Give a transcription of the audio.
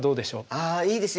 あいいですね。